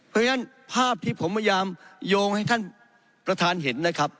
เพราะฉะนั้นภาพที่ผมพยายามโยงให้ท่านประธานเห็นนะครับ